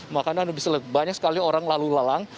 makanya bisa banyak sekali orang lalu lalang